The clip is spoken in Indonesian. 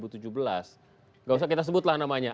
tidak usah kita sebutlah namanya